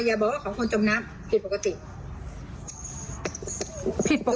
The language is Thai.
อย่าบอกว่าของคนจมน้ำผิดปกติ